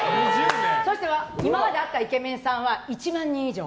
そして今まで会ったイケメンさんは１万人以上。